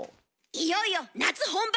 いよいよ夏本番！